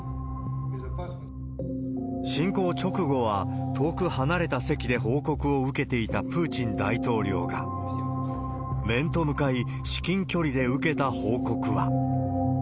侵攻直後は遠く離れた席で報告を受けていたプーチン大統領が、面と向かい、至近距離で受けた報告は。